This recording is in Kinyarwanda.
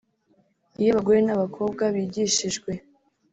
Iyo abagore n’abakobwa bigishijwe